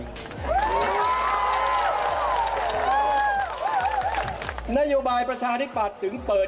รัฐบาลนี้ใช้วิธีปล่อยให้จนมา๔ปีปีที่๕ค่อยมาแจกเงิน